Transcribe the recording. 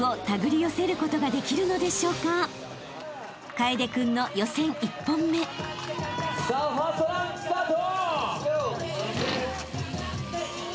［楓君の予選１本目］さあファーストランスタート！